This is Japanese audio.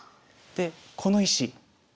でこの石。